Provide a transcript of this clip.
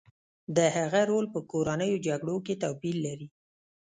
د هغه رول په کورنیو جګړو کې توپیر لري